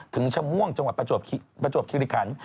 ชะม่วงจังหวัดประจวบคิริขัน